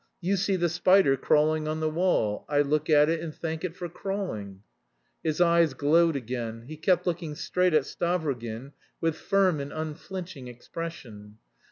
You see the spider crawling on the wall, I look at it and thank it for crawling." His eyes glowed again. He kept looking straight at Stavrogin with firm and unflinching expression.